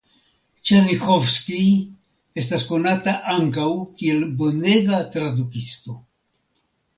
Ĉerniĥovskij estas konata ankaŭ kiel bonega tradukisto.